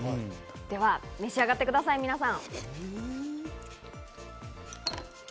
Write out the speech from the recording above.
では召し上がってください、皆さん。